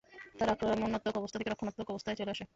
তারা আক্রমণাত্মক অবস্থা থেকে রক্ষণাত্মক অবস্থায় চলে আসে।